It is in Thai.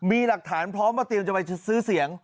มีหลักฐานพร้อมว่าเตรียมจะไปซื้อเสียง